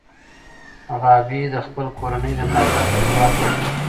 غابي د خپل کورنۍ د ملاتړ څخه ځواک اخلي.